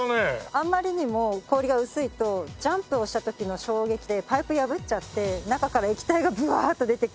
あまりにも氷が薄いとジャンプをした時の衝撃でパイプ破っちゃって中から液体がブワーッと出てくる。